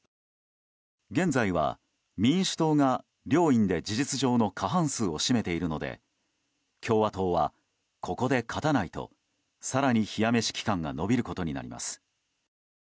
現在は、民主党が両院で事実上の過半数を占めているので共和党はここで勝たないと更に冷や飯期間が延びることになります。